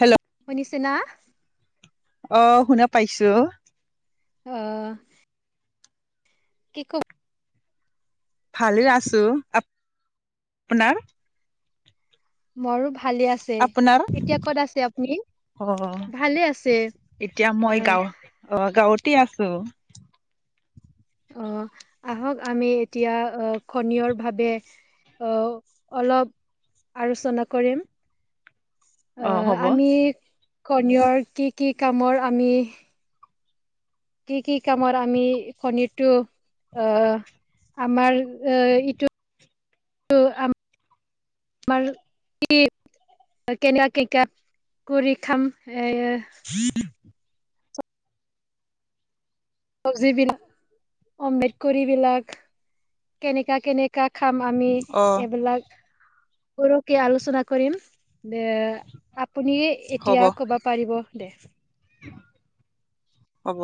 Hello শুনিছে না? অ', শুনা পাইছো। অ'। কি [unintelligible] ভাল আছো আ- আপোনাৰ? মৰো ভালেই আছো আপোনাৰ এতিয়া ক'ত আছে আপুনি? অ ভালে আছে এতিয়া মই অ' গাঁও অ', গাঁৱতে আছো। অ', আহক আমি এতিয়া উহ, খনিয়ৰ ভাৱে অ', অলপ আলোচনা কৰিম। অ উহ, হ'ব আমি খনিয়ৰ কি, কি কামৰ আমি কি, কি কামৰ আমি খনিৰটো উহ আমাৰ উহ, ইটো আ মাৰ [unintelligible] কেনেকুৱা কেনেকা কৰি খাম এ [unintelligible] চবজী বিলাক অম্বেদ কৰি বিলাক কেনেকা কেনেকা শিকা খাম আমি অ এইবিলাক পৰকে আলোচনা কৰিম যে আপুনি হ'ব এতিয়া ক'বাত পাৰিব দে হ'ব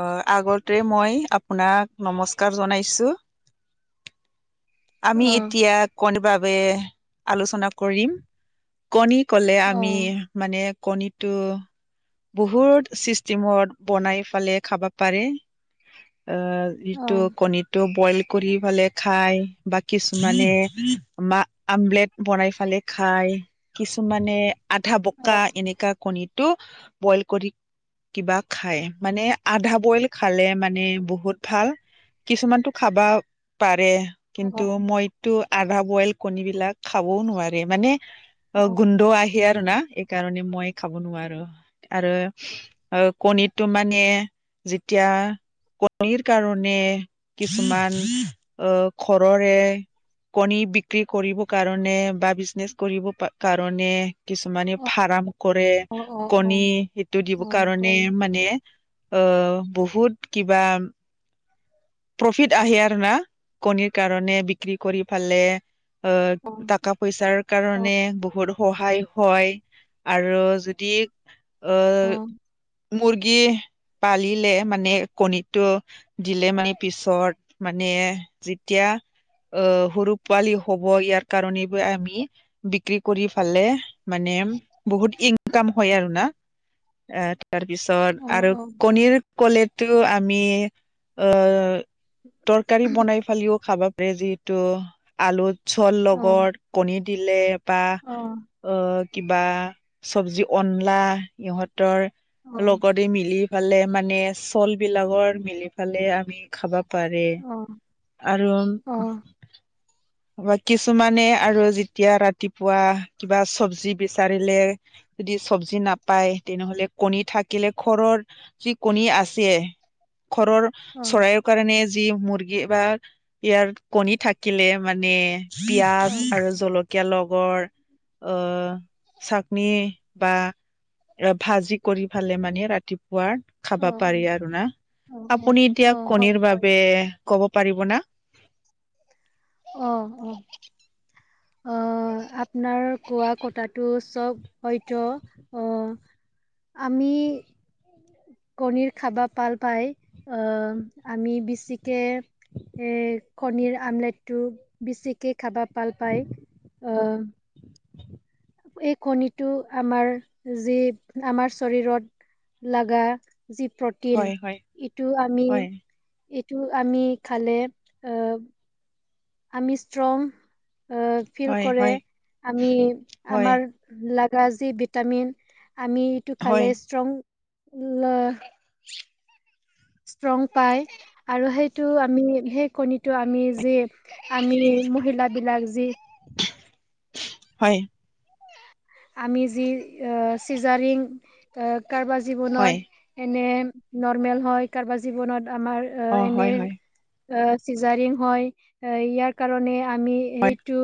অ আগতে মই আপোনাক নমস্কাৰ জনাইছোঁ। আমি অ এতিয়া কোন বাবে আলোচনা কৰিম কণী কলে অ আমি মানে কণীটো বহুত চিষ্টেমত বনাই ফালে খাব পাৰে। অ অ যটো কণীটো বইল কৰি ফালে খাই বা কিছুমানে বা আমলেট বনাই পালে খাই কিছুমানে আধা অ বকা এনেকা কণীটো বইল কৰি কিবা খাই মানে আধা বইল খালে মানে বহুত ভাল কিছুমানতটো খাবা পাৰে অ কিন্তু মইতো আধা বইল কণী বিলাক খাবও নোৱাৰে মানে অ গোন্ধ আহে আৰু না এইকাৰণে মই খাব নোৱাৰো আৰু অ, কণীটো মানে যেতিয়া কণীৰ কাৰণে কিছুমান অ, ঘৰৰে কণী বিক্ৰী কৰিব কাৰণে বা বিজনেচ কৰিব কাৰণে কিছুমানে ফাৰ্ম কৰে অ অ অ কণী সেইটো দিব অ কাৰণে হয় মানে অ, বহুত কিবা প্ৰফিট আহে আৰু না কণীৰ কাৰণে বিক্ৰী কৰি ফালে অ', টকা পইচাৰ কাৰণে বহুত সহায় হয় আৰু যদি অ মুৰ্গী পালিলে মানে কণীটো দিলে মানে পিছত মানে যেতিয়া অ' সৰু পোৱালি হ'ব, ইয়াৰ কাৰণেবো আমি বিক্ৰী কৰি ফালে মানে বহুত ইনকাম হয় আৰু না। অ' ইয়াৰ পিছত অ আৰু অ অ কণীৰ ক'লেতো আমি অ' তৰকাৰী বনাই ফালিও খাব পাৰি, যিহেতু আলু চল অ অ লগত কণী দিলে বা অ অ অ অ' কিবা চব্জি অনলা ইহঁতৰ অ লগৰী মিলি ইফালে মানে চল বিলাকৰ মিলি ফালে আমি খাবা পাৰে অ আৰু বা কিছুমানে আৰু যেতিয়া ৰাতিপুৱা কিবা চব্জি বিচাৰিলে যদি চব্জি নাপায় তেনেহলে কণী থাকিলে ঘৰৰ যি কণী আছে ঘৰৰ চৰাইৰ কাৰণে যি মুৰ্গী বা ইয়াৰ কণী থাকিলে মানে পিয়াজ আৰু জলকীয়া লগৰ অ', চাটনি বা ভাজি কৰি ফালে মানে ৰাতিপুৱাৰ অ খাবা পাৰি আৰু না, অ আপুনি এতিয়া অ হয় কণীৰ হয় বাবে ক'ব পাৰিব না? অ', অ'। অ', আপোনাৰ কোৱা কটাটো চব হয়তো অ'আমি কণীৰ খাবা ভাল পাই অ', আমি বেছিকে এৰ কনীৰ আমলেটটো বেছিকে খাবা ভাল পায়, অ' এই কণীটো আমাৰ যি আমাৰ শৰীৰত লগা যি টিন হয় হয় ইটো আমি হয় ইটো আমি খালে অ' আমি ষ্ট্ৰং ফিল হয় কৰে হয় আমি হয় আমাৰ লগা যি ভিটামিন আমি এইটো খালে হয় ষ্ট্ৰং ষ্ট্ৰং পায় আৰু সেইটো আমি সেই কণীটো আমি যি আমি মহিলাবিলাক যি হয়। আমি যি অ', চিজাৰিং এ কাৰোবাৰ হয় জীৱনত এনে নৰ্মেল হয় কাৰোবাৰ জীৱনত আমাৰ অ এনে হয় হয় এ চিজাৰিং হয় এ ইয়াৰ কাৰণে আমি হয় সেইটো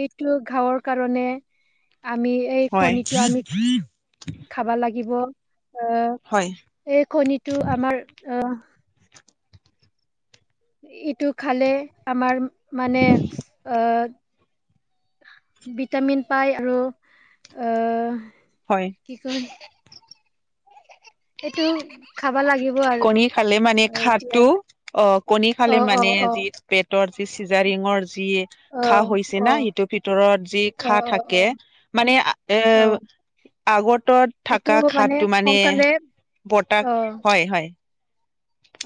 এইটো খাৱৰ কাৰণে আমি এই হয় কণীটো আমি খাবা লাগিব, অ' হয়। এই কনণীটো আমাৰ অ' ইটো খালে আমাৰ মানে অ' ভিটামিন পায় আৰু অ' হয়। কি কয়? সেইটো খাবা লাগিব। আৰু কণী খালে মানে এতিয়া ঘাটো অ' কণী খালে অ অ মানে, অ আজি পেটৰ যি চিজাৰিং যি অ ঘা হৈছে অ না সেইটোৰ ভিতৰত যি অ ঘা অ অ থাকে মানে এ অ আগৰটোত এইটো থাকা ঘাটো মানে, সোনকালে অ বতাত হয়, হয়।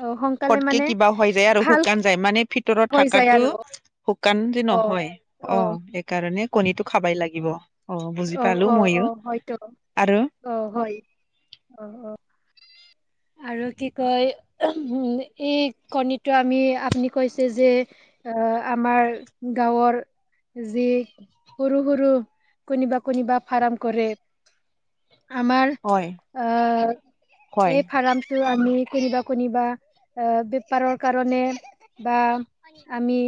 অ সোনকালে ফটকে মানে কিবা হৈ যায় আৰু ভাল শুকাই যায় মানে ভিতৰত হৈ যায় থাকাটো আৰু শুকান যে অ নহয় অ', সেইকাৰণে কণীটো খাবাই লাগিব। অ', বুজি পালো অ ময়ো অ হয়তো আৰু অ', হয়' অ, ' অ', আৰু কি কয় উম, এই কণীটো আমি আপুনি কৈছে যে অহ, আমাৰ গাঁৱৰ যি সৰু সৰু কোনিবা কোনিবা ফাৰাৰ্ম কৰে আমাৰ হয় অ', হয় সেই ফাৰাৰ্ম টো আমি কোনিবা কোনিবা অ', বেপাৰৰ কাৰণে বা আমি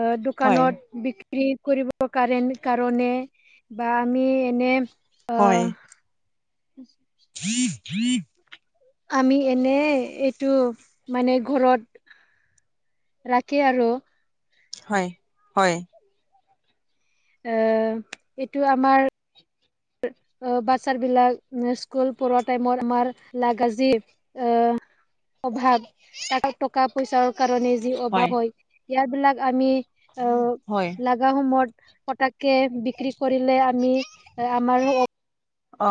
অ', হয় দোকানত বিক্ৰী কৰিব কাৰণ কাৰণে বা আমি এনে, হয় অহ [inaudible] আমি এনে এইটো মানে ঘৰত ৰাখি আৰু হয়, হয়। এ এইটো আমাৰ অহ, বাচ্ছাৰ বিলাক নে স্কুল পঢ়োৱা টাইমত আমাৰ লাগা যি, অহ অভাৱ আৰু টকাত পইচাৰ কাৰণে যি অভাৱ হয়, ইয়াৰ বিলাক আমি অ', হয় লা লাগা সময়ত পতককে বিক্ৰী কৰিলে আমি এ আমাৰো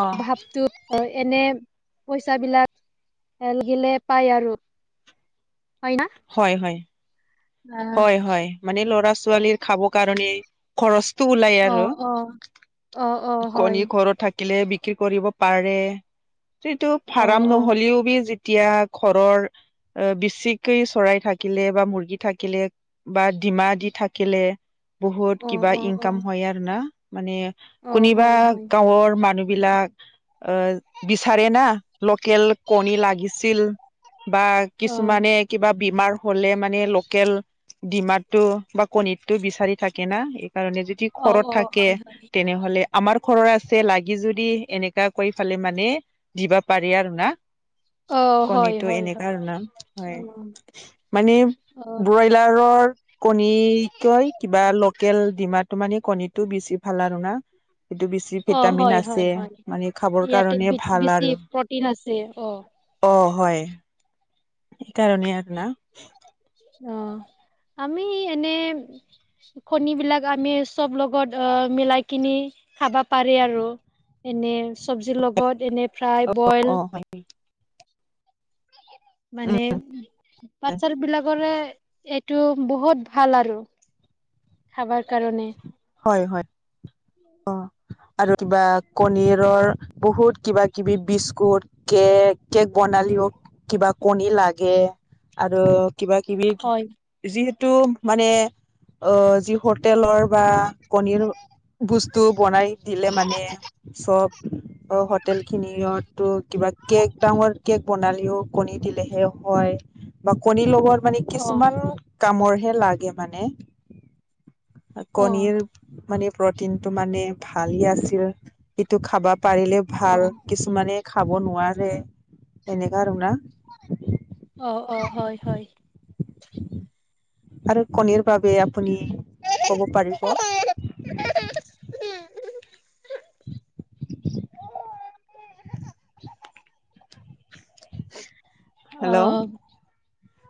অ ভাৱটো হয়। এনে পইচাবিলাক এ লাগিলে পায় আৰু। হয়, না? হয় হয়। হয় হয়। মানে ল'ৰা-ছোৱালীৰ খাব কাৰণে খৰচটো ওলাই অ আৰু। অ অ অ হয় কণী ঘৰত থাকি লে বিক্ৰী কৰিব পাৰে। যিটো অ ফাৰাম অ নহ'লেও বি যি তিয়া ঘৰৰ অ', বিছিকি চৰাই থাকিলে বা মুৰ্গী থাক কিলে বা ডিমা দি থাকিলে, বহুত অ কিবা অ অ ইনকাম হয় আৰু না? মানে অ কোনিবা হয় হয় গাঁৱৰ মানুহবিলাক অ', বিচাৰে না লোকেল কণী লাগিছিল বা অ কিছুমানে কিবা বিমাৰ হ'লে মানে ল লোকেল ডিমাটো বা কণীটো বিচাৰি থাকে না। এইকাৰণে যে যদি অ ঘৰত অ থাকে হয় হয় তেনেহ'লে আমাৰ ঘৰৰ আছে লাগে যদি এনেকা কৈ পেলাই মানে দিবা পাৰি আৰু না? অ হয় কণীটো হয় এনেকা হয় নাম, অ হয়, মানে অ ব্ৰইলাৰৰ কণী কৈ কিবা লোকেল ডিমাটো মানে কণীটো বেছি ভাল আৰু না? এইটো বিছ টোত অ ভিটামিন হয় আছে। হয় হয় লমানে খাবৰ ইয়াতে কাৰণে বেছি ভাল বেছি আৰু। প্ৰটিন আছে অ', হয়। সেইকাৰণেই আৰু না। অ', আমি এনে কণীবিলাক আমি চব লগত অ', মিলাই কিনি খাবা পাৰি আৰু। এনে চব্জিৰ লগত এনে ফ্ৰাই, বইল উম। উম মানে পাত-ছাল বিলাকৰে এইটো বহুত ভাল আৰু খাবাৰ কাৰণে। হয় হয়। অ'। আৰু কিবা কণী আৰুৰ বহুত কিবা-কিবি বিস্কুট কে কেক বনালেও কিবা কণী লাগে। আৰু কিবা-কিবি। হয় যিতু মানে অ', যি হোটেলৰ বা কণী আৰু বস্তু বনাই দিলে মানে চব [inaudible] অ', হোটেলখিনিৰতো কিবা কেক ডাঙৰ কেক বনালেও কণী দিলেহে হয়। বা কণী লগৰ মানে অ কিছুমান কামৰ হে লাগে মানে। অ কণীৰ মানে প্ৰটিনটো মানে ভালে আছিল। সিটো খাবা পাৰিলে অ ভাল। কিছু মানে খাব নোৱাৰে সেনেকা আৰু না। অ', অ', হয় হয়। আৰু কণীৰ বাবে আপুনি ক'ব পাৰিব। [unintelligible] অ হেল্ল,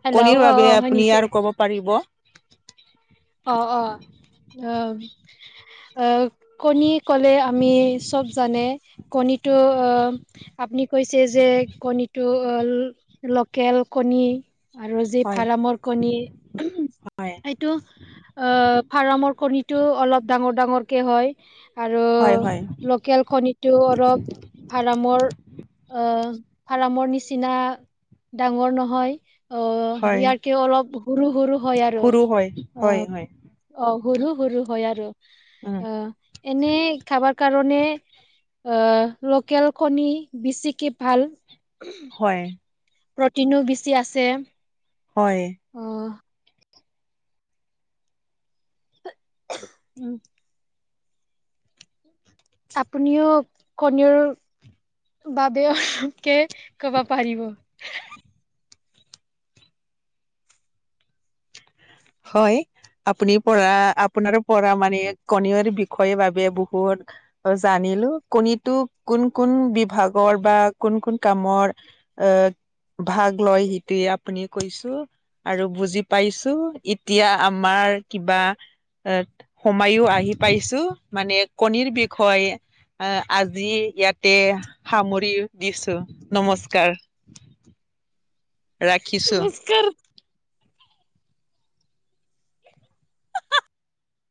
হেল্ল' কণীৰ অ বাবে অ আপুনি শুনিছে আৰু ক'ব পাৰিব। অ, অ, অ, কণী ক'লে আমি চ'ব জানে কণীটো আপুনি কৈছে যে, কণীটো লোকেল কণী আৰু যি হয় ফাৰামৰ কণী, হয় এইটো আহ ফাৰ্মৰ কণীটো অলপ ডাঙৰ-ডাঙৰকে হয়, আৰু হয় হয় লোকেল লোকেল কণীটো অলপ, ফৰামৰ অ, ফাৰ্মৰ নিচিনা ডাঙৰ নহয়। অ, হয় সেয়াটকে অলপ সৰু, সৰু হয় আৰু। সৰু হয় অ হয়, হয়। অ, সৰু, সৰু হয় আৰু উম অ, এনে খাবৰ কাৰণে। আহ, লোকেলখনি বেছিকে ভাল। হয়। প্ৰটিনো বেছি আছে। হয়। অ, [inaudible] আপুনিও কণীৰৰ, বাবে কে ক'ব পাৰিব। হয়। আপুনি পৰা, আপোনাৰ পৰা মানে কণীৰ বিষয়ৰ বাবে বহুত অ, জানিলো কণীতো কোন, কোন বিভাগৰ বা কোন, কোন কামৰ অ, ভাগ লয় সেইটোৱে আপুনি কৈছো আৰু বুজি পাইছো। এতিয়া আমাৰ কিবা এ, সময়ো আহি পাইছো মানে কণীৰ বিষয়ে আহ, আজি ইয়াতে সামৰি দিছো, নমস্কাৰ। ৰাখিছোঁ। নমস্কাৰ